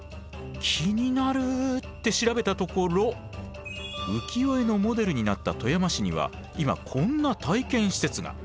気になるって調べたところ浮世絵のモデルになった富山市には今こんな体験施設が。